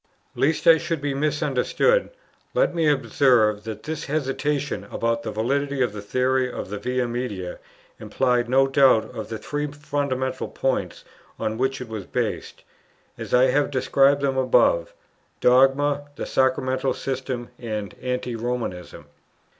Lest I should be misunderstood, let me observe that this hesitation about the validity of the theory of the Via Media implied no doubt of the three fundamental points on which it was based, as I have described them above, dogma, the sacramental system, and anti Romanism.